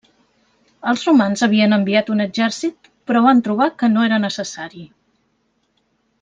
Els romans havien enviat un exèrcit, però van trobar que no era necessari.